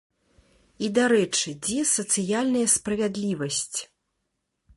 І, дарэчы, дзе сацыяльная справядлівасць?